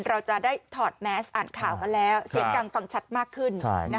เราจะได้ถอดแมสอ่านข่าวกันแล้วเสียงดังฟังชัดมากขึ้น